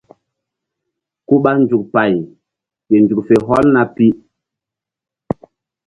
Ku ɓa nzuk pay ke nzuk fe hɔlna pi.